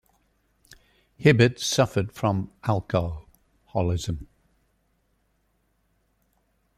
Hibbert suffered from alcoholism.